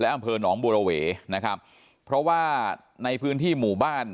อำเภอหนองบัวระเวนะครับเพราะว่าในพื้นที่หมู่บ้าน